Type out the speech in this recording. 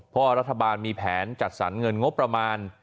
เพราะรัฐบาลมีแผนจัดสรรเงินงบประมาณ